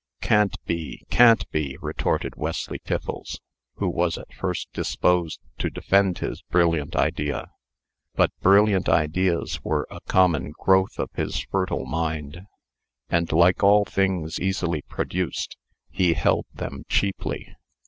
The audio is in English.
"Can't be! can't be!" retorted Wesley Tiffles, who was at first disposed to defend his brilliant idea. But brilliant ideas were a common growth of his fertile mind, and, like all things easily produced, he held them cheaply.